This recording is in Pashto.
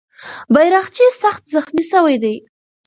بیرغچی سخت زخمي سوی دی.